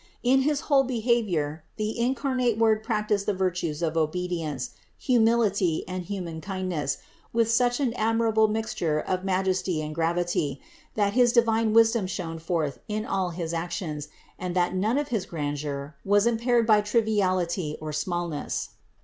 In his whole behavior the incarnate Word practiced the virtues of obedience, humility and human kindness with such an admirable mixture of majesty and gravity, that his divine wisdom shone forth in all his actions and that none of his grandeur was impaired by triviality or smallness.